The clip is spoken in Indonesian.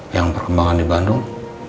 yang berkembang di bandung